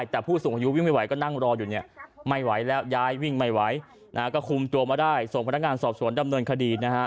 ติดตัวมาได้ส่งพนักงานสอบสวนดำเนินคดีนะฮะ